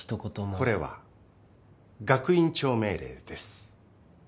これは学院長命令です。